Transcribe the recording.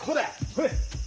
ほれ。